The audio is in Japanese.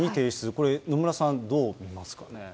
これ、野村さん、どう見ますか。